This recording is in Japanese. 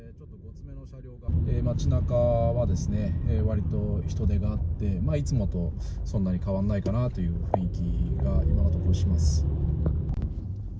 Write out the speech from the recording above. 街なかは、わりと人手があって、まあ、いつもとそんなに変わんないかなという雰囲気が、今のところします。